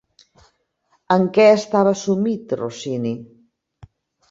En què estava sumit Rossini?